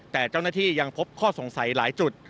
แต่เจ้าหน้าที่ยังพบข้อสงสัยหลายจุด